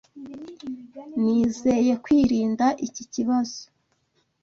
Nizeye kwirinda iki kibazo.